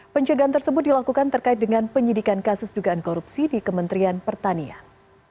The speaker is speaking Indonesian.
pencegahan tersebut dilakukan terkait dengan penyidikan kasus dugaan korupsi di kementerian pertanian